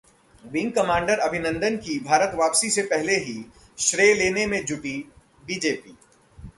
wing commander Abhinandan की भारत वापसी से पहले ही, श्रेय लेने में जुटी बीजेपी